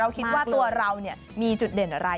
คิดว่าตัวเรามีจุดเด่นอะไร